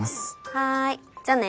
はいじゃあね。